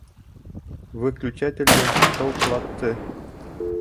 Выключателде шылтлатты.